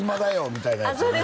みたいなやつね